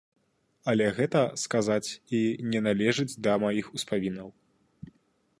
Але гэта, сказаць, і не належыць да маіх успамінаў.